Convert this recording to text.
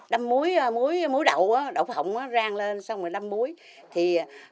đâm muối đậu đậu phộng rang lên xong rồi đâm muối